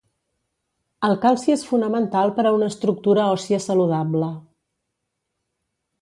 El calci és fonamental per a una estructura òssia saludable.